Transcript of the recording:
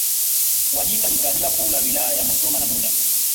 Wajita ni kabila kuu la Wilaya ya Musoma na Bunda